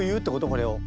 これを。